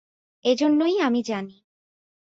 এজন্যই আমি জানি।